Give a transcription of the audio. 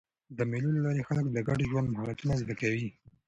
د مېلو له لاري خلک د ګډ ژوند مهارتونه زده کوي.